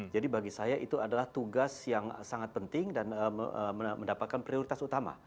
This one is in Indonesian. jadi bagi saya itu adalah tugas yang sangat penting dan mendapatkan prioritas utama